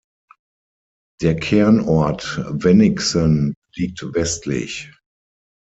Der Kernort Wennigsen liegt westlich.